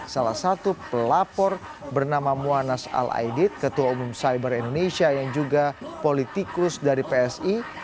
salah satu pelapor bernama muanas ⁇ al aidid ketua umum cyber indonesia yang juga politikus dari psi